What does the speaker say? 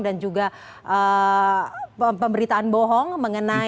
laporan bohong dan juga pemberitaan bohong mengenai